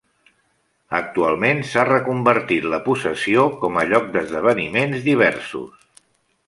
Actualment s'ha reconvertit la possessió com a lloc d'esdeveniments diversos.